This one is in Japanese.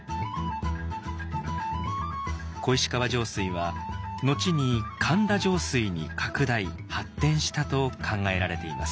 小石川上水は後に「神田上水」に拡大・発展したと考えられています。